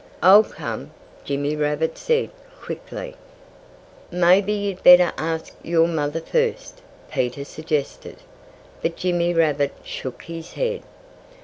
"I'll come!" Jimmy Rabbit said quickly. "Maybe you'd better ask your mother first," Peter suggested. But Jimmy Rabbit shook his head.